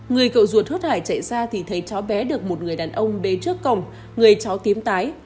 người cậu ruột hốt hải chạy ra thì thấy cháu bé được một người đàn ông bế trước cổng người cháu tím tái